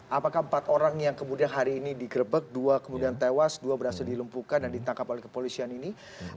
apakah empat orang yang kemudian hari ini digrebek dua kemudian tewas dua berhasil dilumpuhkan dan ditangkap oleh kepolisian ini